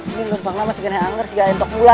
ini lompat lama segini anger segini entok bulat